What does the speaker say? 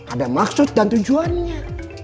ada maksud dan tujuannya